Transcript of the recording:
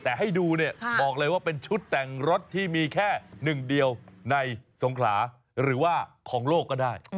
แต่ให้ดูเนี่ยบอกเลยว่าเป็นชุดแต่งรถที่มีแค่หนึ่งเดียวในสงขลาหรือว่าของโลกก็ได้